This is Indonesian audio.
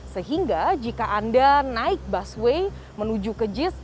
sehingga jika anda naik busway menuju ke jis